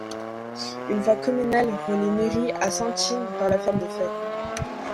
Une voie communale relie Néry à Saintines par la ferme de Fay.